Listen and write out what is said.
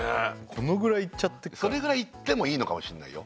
このぐらいいっちゃってっからそれぐらいいってもいいのかもしんないよ